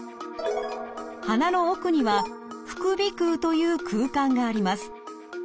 鼻の奥には副鼻腔という空間があります。